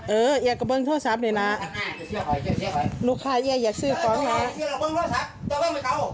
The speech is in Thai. เอออย่ากระเบิ้ลโทรศัพท์หน่อยนะลูกค้าเยี่ยมอยากซื้อกร้องแม้